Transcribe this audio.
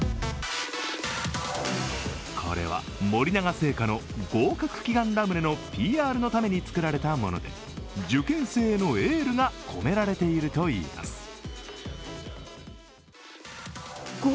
これは、森永製菓の合格祈願ラムネのＰＲのために作られたもので、受験生へのエールが込められているといいます。